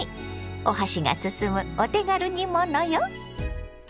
お箸が進むお手軽煮物よ。